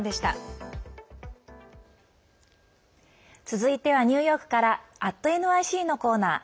続いてはニューヨークから「＠ｎｙｃ」のコーナー。